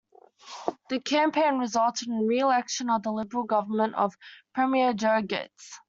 The campaign resulted in the re-election of the Liberal government of Premier Joe Ghiz.